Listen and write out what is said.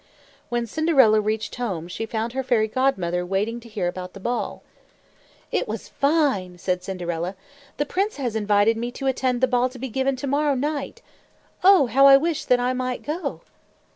When Cinderella reached home, she found her Fairy Godmother waiting to hear about the ball. "It was fine!" said Cinderella. "The prince has invited me to attend the ball to be given to morrow night. Oh, how I wish that I might go!"